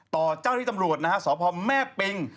ต่อเจ้าที่ตำรวจนะฮะสพแม่ปิง